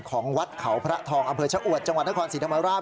ของวัดเขาพระทองอำเภอชะอวดจังหวัดนครศรีธรรมราช